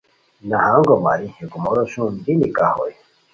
نہنگو ماری ہے کومورو سوم دی نکاح ہوئے